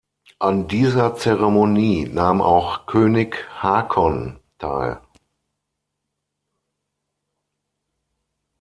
An dieser Zeremonie nahm auch König Håkon teil.